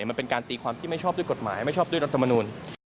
มันเป็นการตีความที่ไม่ชอบด้วยกฎหมายไม่ชอบด้วยรัฐมนูล